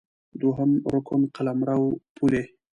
دوهم رکن قلمرو ، پولې